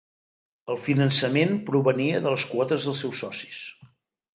El finançament provenia de les quotes dels seus socis.